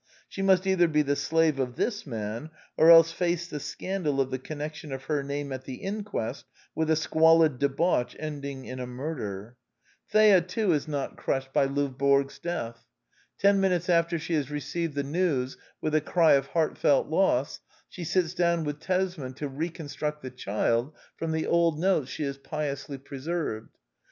She must either be the slave of this man, or else face the scandal of the connection of her name at the inquest with a squalid debauch ending in a murder. Thea, too, is not crushed The Anti Idealist Plays 135 by Lovborg's death. Ten minutes after she has received the news with a cry of heartfelt loss, she sits down with Tesman to reconstruct " the child " from the old notes she has piously pre served.